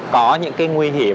có những cái nguy hiểm